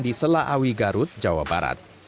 di selaawi garut jawa barat